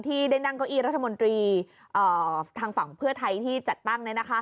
ที่ได้นั่งเก้าอี้รัฐมนตรีทางฝั่งเพื่อไทยที่จัดตั้ง